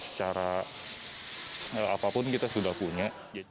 secara apapun kita sudah punya